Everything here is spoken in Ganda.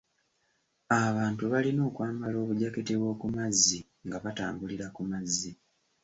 Abantu balina okwambala obujaketi bw'okumazzi nga batambulira ku mazzi.